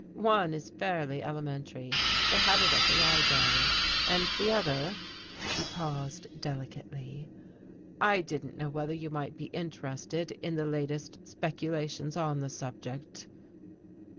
"One is fairly elementary. They had it at the library. And the other " he paused delicately, "I didn't know whether you might be interested in the latest speculations on the subject."